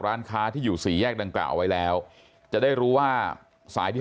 ร้านค้าที่อยู่สี่แยกดังกล่าวไว้แล้วจะได้รู้ว่าสายที่